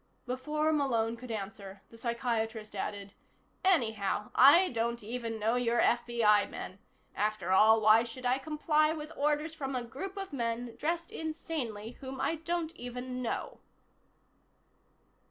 Before Malone could answer, the psychiatrist added: "Anyhow, I don't even know you're FBI men. After all, why should I comply with orders from a group of men, dressed insanely, whom I don't even know?"